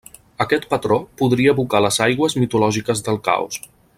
Aquest patró podria evocar les aigües mitològiques del caos.